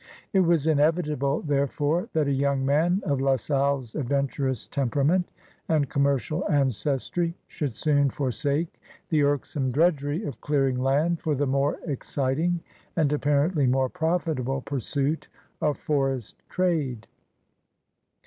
It was inevitable, therefore, that a yoimg man of La Salle's adventurous temperament and commercial ancestry should soon forsake the irksome drudgery of clearing land for the more exciting and appar ently more profitable pursuit of forest trade.